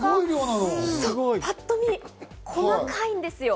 ぱっと見、細かいんですよ。